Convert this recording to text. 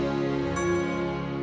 sampai jumpa lagi